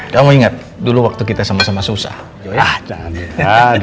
kamu ingat dulu waktu kita sama sama susah jo